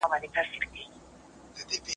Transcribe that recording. سرلوړي د هغو ده چي پر لاره مستقیم وي.